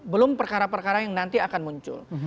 belum perkara perkara yang nanti akan muncul